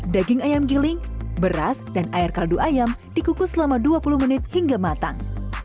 daging ayam giling beras dan air kaldu ayam dikukus selama dua puluh menit hingga matang